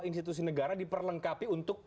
institusi negara diperlengkapi untuk